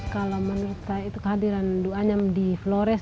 kalau menurut saya itu kehadiran duanya di flores